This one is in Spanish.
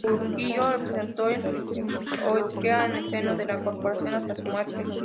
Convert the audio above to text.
Urquijo representó al euskera en el seno de la corporación hasta su muerte.